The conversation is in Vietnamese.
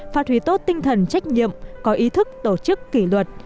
phát huy tốt tinh thần trách nhiệm có ý thức tổ chức kỷ luật